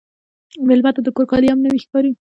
مېلمه ته د کور کالي هم نوی ښکاري.